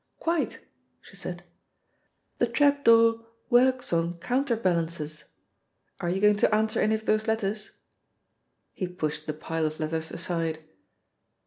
"Quite," she said. "The trap door works on counterbalances. Are you going to answer any of those letters?" He pushed the pile of letters aside.